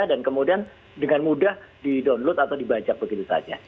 dan kemudian dengan mudah di download atau dibaca begitu saja